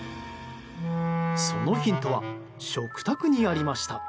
そのヒントは食卓にありました。